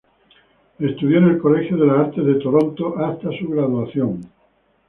Estudió en el Colegio de las Artes de Toronto hasta su graduación.